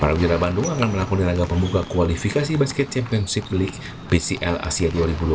para penjara bandung akan melakukan agar pembuka kualifikasi basket championship league bcl asia dua ribu dua puluh empat